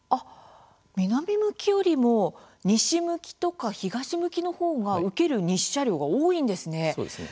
南向きよりも西向きとか東向きのほうが受ける日射量が多いんですね？